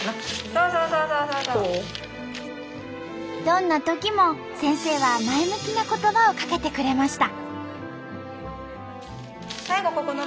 どんなときも先生は前向きな言葉をかけてくれました。